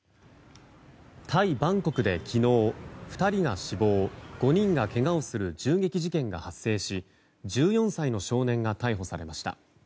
タイ・バンコクで昨日２人が死亡、５人がけがをする銃撃事件が発生し１４歳の少年が逮捕されました。